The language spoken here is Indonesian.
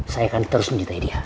saya kan terus mencintai dia